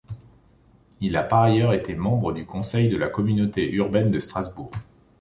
Il a par ailleurs été membre du conseil de la communauté urbaine de Strasbourg.